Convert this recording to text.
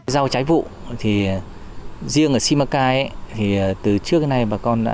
rau trái vụ thì riêng ở simacai thì từ trước đến nay bà con đã